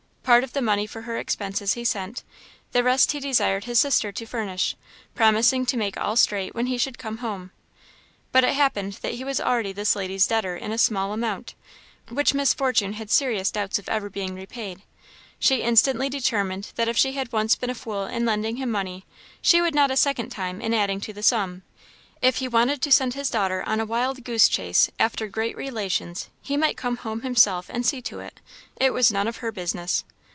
Part of the money for her expenses he sent; the rest he desired his sister to furnish, promising to make all straight when he should come home. But it happened that he was already this lady's debtor in a small amount, which Miss Fortune had serious doubts of ever being repaid: she instantly determined that if she had once been a fool in lending him money, she would not a second time in adding to the sum; if he wanted to send his daughter on a wild goose chase after great relations, he might come home himself and see to it; it was none of her business.